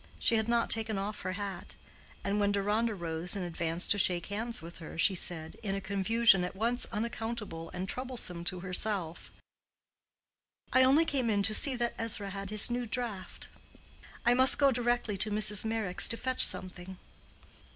She had not taken off her hat; and when Deronda rose and advanced to shake hands with her, she said, in a confusion at once unaccountable and troublesome to herself, "I only came in to see that Ezra had his new draught. I must go directly to Mrs. Meyrick's to fetch something."